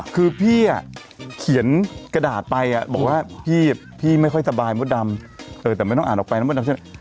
คือพี่เขียนกระดาษไปบอกว่าพี่ไม่ค่อยสบายมดดำแต่ไม่ต้องอ่านออกไปนะมดดำใช่ไหม